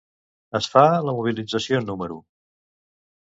Es fa la mobilització número .